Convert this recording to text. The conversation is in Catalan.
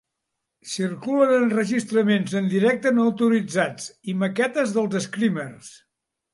Circulen enregistraments en directe no autoritzats i maquetes dels Screamers.